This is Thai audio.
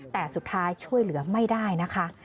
แต่สุดท้ายช่วยเหลือไม่ได้นะคะ